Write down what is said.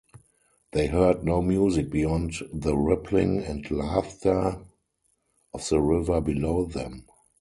They heard no music beyond the rippling and laughter of the river below them.